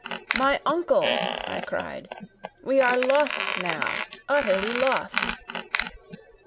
"My uncle," I cried, "we are lost now, utterly lost!"